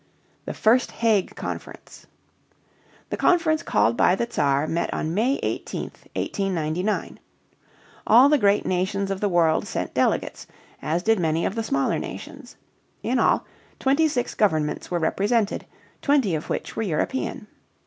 THE FIRST HAGUE CONFERENCE. The conference called by the Czar met on May 18, 1899. All the great nations of the world sent delegates, as did many of the smaller nations. In all, twenty six governments were represented, twenty of which were European.